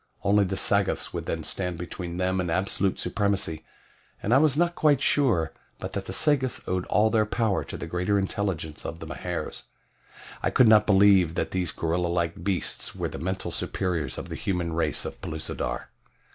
Only the Sagoths would then stand between them and absolute supremacy, and I was not quite sure but that the Sagoths owed all their power to the greater intelligence of the Mahars I could not believe that these gorilla like beasts were the mental superiors of the human race of Pellucidar.